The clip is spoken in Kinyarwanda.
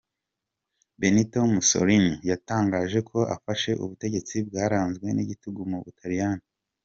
Benito Mussolini yatangaje ko afashe ubutegetsi bwaranzwe n’igitugu mu butaliyani.